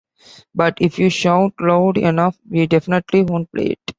But if you shout loud enough... We definitely won't play it.